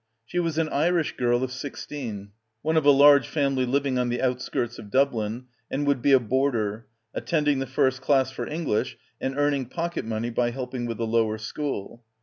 She was an Irish girl of sixteen, one of a large family living on the outskirts of Dublin, and would be a boarder, attending the first class for English and earning pocket money by helping with the lower school.